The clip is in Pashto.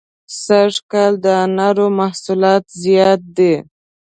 سږ کال د انارو حاصلات زیات دي.